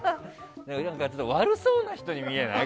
悪そうな人に見えない？